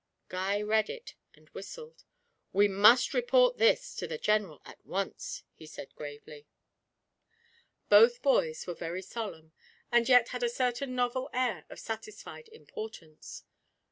Guy read it and whistled. 'We must report this to the General at once,' he said gravely. Both boys were very solemn, and yet had a certain novel air of satisfied importance.